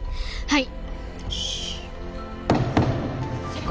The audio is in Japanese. はい！